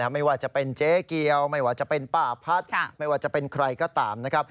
ไม่ว่าจะเป็นเจ๊เกียวไม่ว่าจะเป็นป้าพัฒน์ไม่ว่าจะเป็นใครก็ตามนะครับ